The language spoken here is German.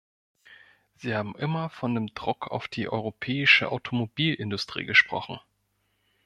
Sie haben immer von dem Druck auf die europäische Automobilindustrie gesprochen.